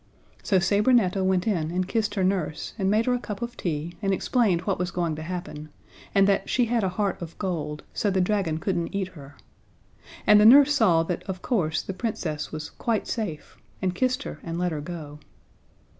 So Sabrinetta went in and kissed her nurse and made her a cup of tea and explained what was going to happen, and that she had a heart of gold, so the dragon couldn't eat her; and the nurse saw that of course the Princess was quite safe, and kissed her and let her go.